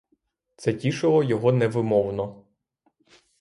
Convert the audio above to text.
Це тішило його невимовно.